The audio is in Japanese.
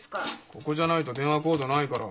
ここじゃないと電話コードないから。